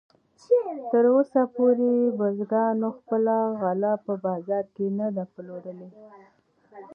تراوسه پورې بزګرانو خپله غله په بازار کې نه ده پلورلې.